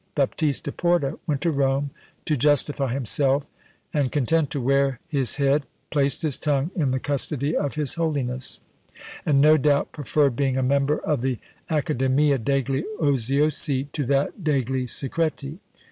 Baptista Porta went to Rome to justify himself; and, content to wear his head, placed his tongue in the custody of his Holiness, and no doubt preferred being a member of the Accademia degli Oziosi to that degli Secreti.